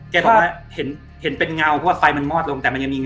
บอกว่าเห็นเป็นเงาเพราะว่าไฟมันมอดลงแต่มันยังมีเ